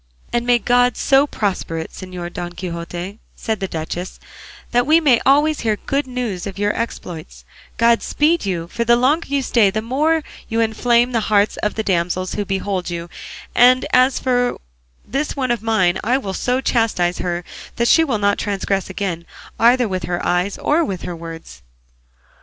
"And may God so prosper it, Señor Don Quixote," said the duchess, "that we may always hear good news of your exploits; God speed you; for the longer you stay, the more you inflame the hearts of the damsels who behold you; and as for this one of mine, I will so chastise her that she will not transgress again, either with her eyes or with her words."